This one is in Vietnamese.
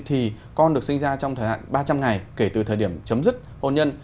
thì con được sinh ra trong thời hạn ba trăm linh ngày kể từ thời điểm chấm dứt hôn nhân